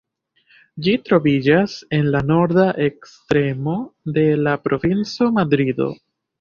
Ĝi troviĝas en la norda ekstremo de la provinco Madrido.